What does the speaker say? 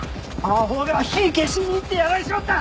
あほが火消しに行ってやられちまった！